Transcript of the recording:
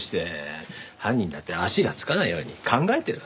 犯人だって足がつかないように考えてる。